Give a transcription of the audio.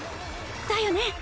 だよね！